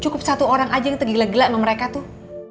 cukup satu orang aja yang tegele gela sama mereka tuh